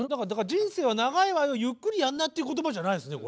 人生は長いわよゆっくりやんなっていう言葉じゃないですね